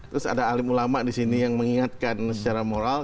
terus ada alim ulama disini yang mengingatkan secara moral